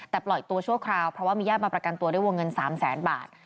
แต่ปล่อยตัวชั่วคราวเพราะว่ามีญาติมาประกันตัวด้วยวงเงิน๓แสนบาท